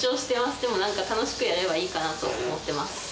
でもなんか楽しくやれればいいかなと思ってます。